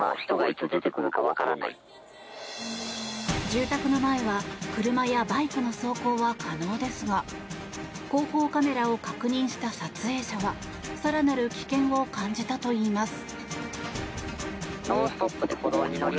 住宅の前は車やバイクの走行は可能ですが後方カメラを確認した撮影者は更なる危険を感じたといいます。